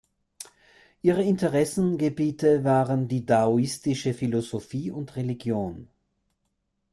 Ihre Interessengebiete waren die daoistische Philosophie und Religion.